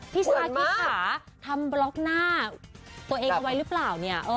พี่ชาคิดค่ะทำบล็อกหน้าตัวเองเอาไว้หรือเปล่าเนี่ย